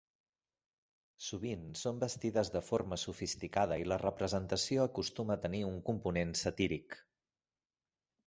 Sovint són vestides de forma sofisticada i la representació acostuma a tenir un component satíric.